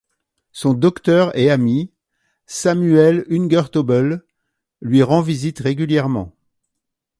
Son docteur et ami, Samuel Hungertobel, lui rend visite régulièrement.